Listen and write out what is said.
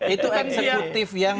itu kan eksekutif yang